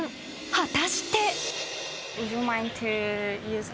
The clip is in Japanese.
果たして。